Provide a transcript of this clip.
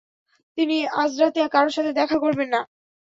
তিনি আজরাতে কারো সাথে দেখা করবেন না।